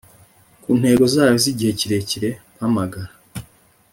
ku ntego zayo zigihe kirekire mpamagara